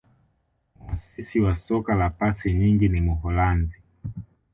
muasisi wa soka la pasi nyingi ni muholanzi